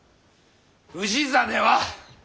氏真は！？